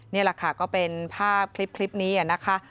นี่แหละค่ะก็เป็นภาพคลิปนี้นะคะ